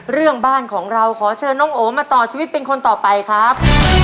เรื่องบ้านของเราขอเชิญน้องโอมาต่อชีวิตเป็นคนต่อไปครับ